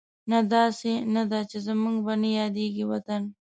نه، داسې نه ده چې زموږ به نه یادېږي وطن